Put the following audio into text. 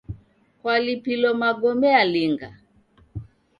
Kwalipilo magome alinga?